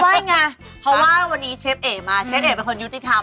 ยังไงเพราะว่าวันนี้เชฟเอกมาเชฟเอกเป็นคนยุติธรรม